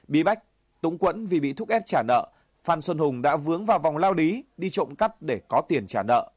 bí bách túng quẫn vì bị thúc ép trả nợ phan xuân hùng đã vướng vào vòng lao lý đi trộm cắp để có tiền trả nợ